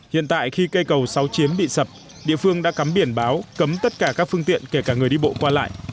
hiện tại khi cây cầu sáu chiến bị sập địa phương đã cắm biển báo cấm tất cả các phương tiện kể cả người đi bộ qua lại